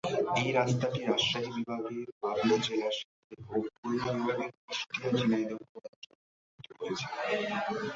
এই রাস্তাটি রাজশাহী বিভাগের পাবনা জেলার সাথে ও খুলনা বিভাগের কুষ্টিয়া-ঝিনাইদহ অঞ্চল সংযুক্ত করেছে।